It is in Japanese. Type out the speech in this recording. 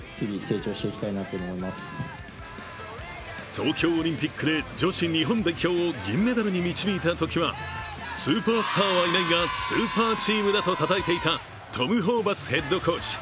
東京オリンピックで女子日本代表を銀メダルに導いたときはスーパースターはいないがスーパーチームだとたたえていたトム・ホーバスヘッドコーチ。